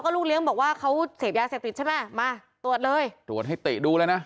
ลูกเลี้ยงบอกว่าเขาเสพยาเสพติดใช่ไหมมาตรวจเลยตรวจให้ติดูเลยนะ